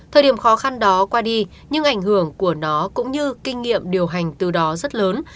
thời điểm khó khăn đó qua đi nhưng ảnh hưởng của nó cũng như kinh nghiệm điều hành từ đó rất lớn